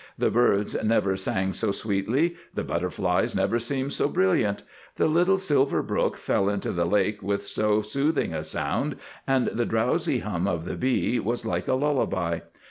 The birds never sang so sweetly, the butterflies never seemed so brilliant. The little silver brook fell into the lake with so soothing a sound and the drowsy hum of the bee was like a lullaby.